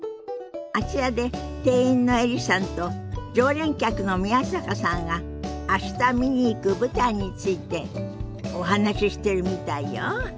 あちらで店員のエリさんと常連客の宮坂さんが明日見に行く舞台についてお話ししてるみたいよ。